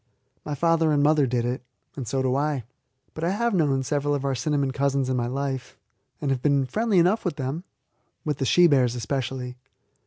My father and mother did it, and so do I. But I have known several of our cinnamon cousins in my life, and have been friendly enough with them with the she bears especially.